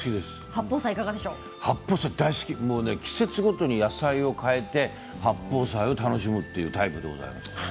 八宝菜大好き季節ごとに野菜を変えて八宝菜を楽しむというタイプでございます。